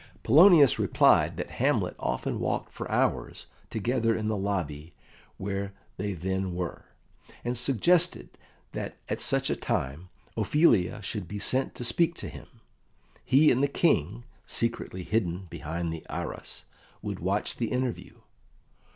Polonius replied that Hamlet often walked for hours together in the lobby where they then were, and suggested that at such a time Ophelia should be sent to speak to him; he and the King, secretly hidden behind the arras, would watch the interview.